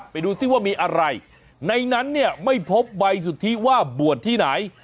ไปดูซิว่ามีอะไรในนั้นเนี่ยไม่พบใบสุทธิว่าบวชที่ไหน